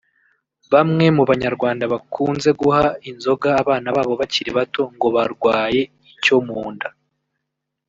Bamwe mu Banyarwanda bakunze guha inzoga abana babo bakiri bato ngo barwaye icyo mu nda